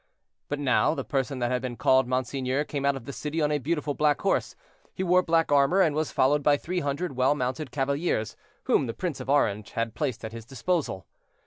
But now the person that had been called monseigneur came out of the city on a beautiful black horse. He wore black armor, and was followed by three hundred well mounted cavaliers, whom the Prince of Orange had placed at his disposal.